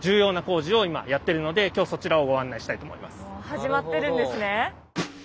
始まってるんですね。